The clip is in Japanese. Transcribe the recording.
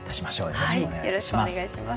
よろしくお願いします。